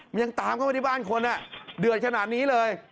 มันยังตามเข้ามาที่บ้านคนเดือดขนาดนี้เลย